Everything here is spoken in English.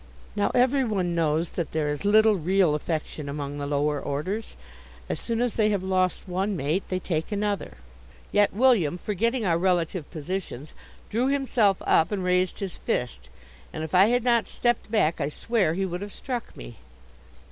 Now, every one knows that there is little real affection among the lower orders. As soon as they have lost one mate they take another. Yet William, forgetting our relative positions, drew himself up and raised his fist, and if I had not stepped back I swear he would have struck me.